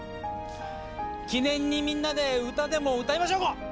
記念にみんなで歌でも歌いましょうか！